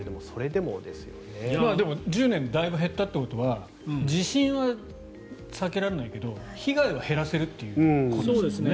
でも、１０年でだいぶ減ったということは地震は避けられないけれど被害は減らせるということですよね。